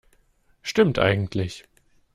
Stimmt eigentlich.